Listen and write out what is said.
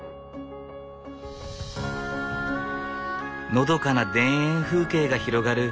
のどかな田園風景が広がる